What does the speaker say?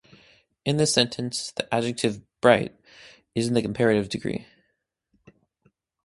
In this sentence, the adjective "bright" is in the comparative degree.